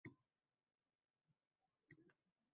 – illatlarni bartaraf etish favqulodda ahamiyat kasb etadi.